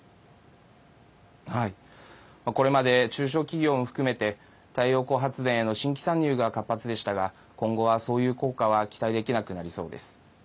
これまで中小企業も含めて太陽光発電への新規参入が活発でしたが今後は、そういう効果は期待できなくなりそうです。